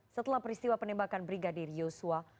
setelah peristiwa penembakan brigadir yosua